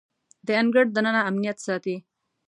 د انګړ دننه امنیت ساتي.